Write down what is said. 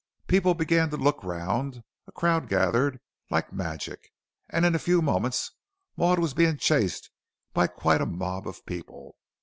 People began to look round, a crowd gathered like magic, and in a few moments Maud was being chased by quite a mob of people.